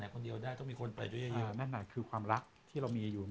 คนเดียวได้ต้องมีคนไปด้วยเยอะนั่นน่ะคือความรักที่เรามีอยู่